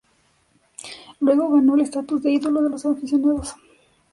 Luego ganó el estatus de Ídolo de los aficionados.